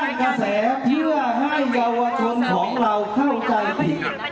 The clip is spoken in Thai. ๓ท่านกระแสเพื่อให้เยาวชนของเราเข้าใจผิด